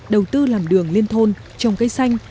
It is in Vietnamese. đầu tư làm đường liên thôn trồng cây xanh